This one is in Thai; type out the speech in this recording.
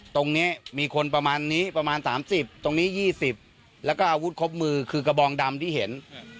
ตรงนี้มีคนประมาณนี้ประมาณ๓๐ตรงนี้๒๐แล้วก็อาวุธครบมือคือกระบองดำที่เห็น